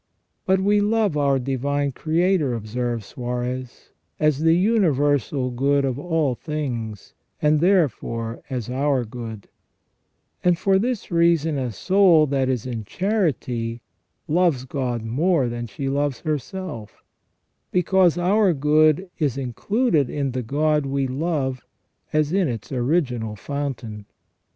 " But we love our Divine Creator," observes Suarez, " as the universal good of all things, and therefore as our good ; and for this reason a soul that is in charity loves God more than she loves herself, because our good is included in the God we love as in its original fountain."